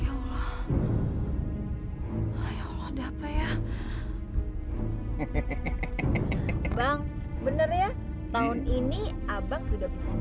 ya allah ya allah dapat ya hehehe bang bener ya tahun ini abang sudah bisa